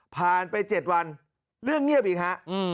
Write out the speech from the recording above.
ผ่านไป๗วันเรื่องเงียบอีกฮะ